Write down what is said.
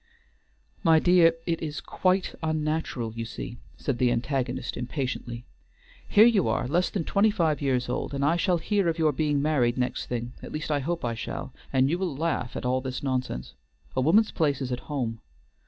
"My dear, it is quite unnatural you see," said the antagonist, impatiently. "Here you are less than twenty five years old, and I shall hear of your being married next thing, at least I hope I shall, and you will laugh at all this nonsense. A woman's place is at home.